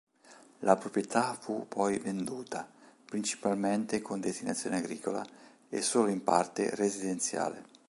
La proprietà fu poi venduta, principalmente con destinazione agricola, e solo in parte residenziale.